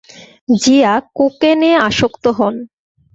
জিয়া কোকেন-এ আসক্ত হন।